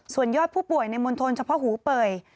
ส่วนยอดผู้ป่วยในมณฑลเฉพาะหูเป่ย